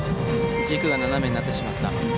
軸が斜めになってしまった。